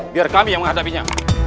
biar kami yang menghadapinya